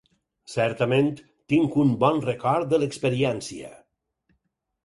Certament, tinc un bon record de l'experiència.